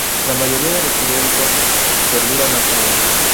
La mayoría de los periódicos perduran hasta hoy.